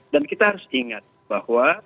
dan kita harus ingat bahwa